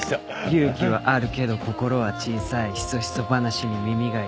「勇気はあるけど心は小さいヒソヒソ話に耳が痛い」